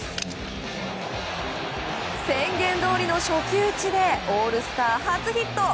宣言どおりの初球打ちでオールスター初ヒット。